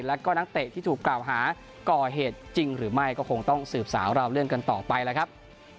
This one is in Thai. แล้วก็นักเตะที่ถูกกล่าวหาก่อเหตุจริงหรือไม่ก็คงต้องสืบสาวราวเรื่องกันต่อไปแล้วครับ